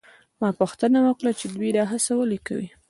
ما پوښتنه وکړه چې دوی دا هڅه ولې کوي؟